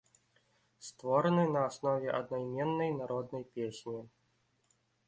Створаны на аснове аднайменнай народнай песні.